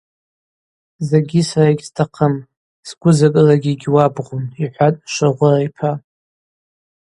Закӏгьи сара йгьстахъым, сгвы закӏылагьи йгьуабгъум, – йхӏватӏ Швогъвыр йпа.